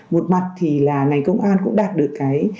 một mặt thì là ngành công an cũng đạt được cái